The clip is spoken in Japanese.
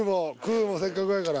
Δせっかくやから。